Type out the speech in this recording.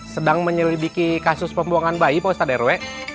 sedang menyelidiki kasus pembuangan bayi pak ustadz rw